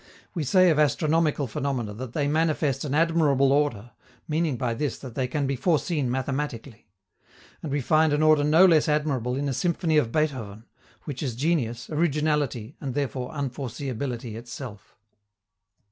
We say of astronomical phenomena that they manifest an admirable order, meaning by this that they can be foreseen mathematically. And we find an order no less admirable in a symphony of Beethoven, which is genius, originality, and therefore unforeseeability itself.